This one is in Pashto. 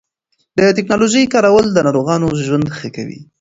د ټېکنالوژۍ کارول د ناروغانو ژوند ښه کوي.